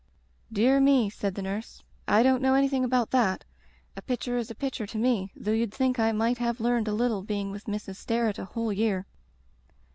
*' "Dear me/' said the nurse, "I don't know anything about that. A picture is a picture to me, though you'd think I might have learned a little being with Mrs. Sterret a whole year."